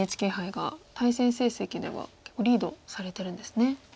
ＮＨＫ杯が対戦成績では結構リードされてるんですね。